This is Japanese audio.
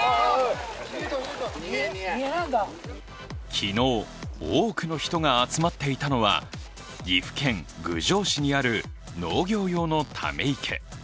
昨日、多くの人が集まっていたのは岐阜県郡上市にある農業用のため池。